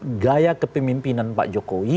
karena gaya kepemimpinan pak jokowi